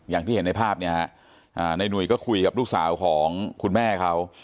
อย่างที่เห็นในภาพเนี่ยฮะนายหนุ่ยก็คุยกับลูกสาวของคุณแม่เขา